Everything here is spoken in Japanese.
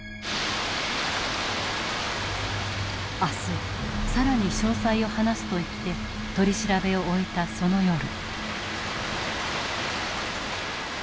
「明日更に詳細を話す」と言って取り調べを終えたその夜。